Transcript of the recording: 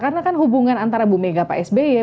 karena kan hubungan antara bu mega pak s b ya